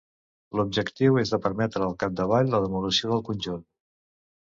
L'objectiu és de permetre, al capdavall, la demolició del conjunt.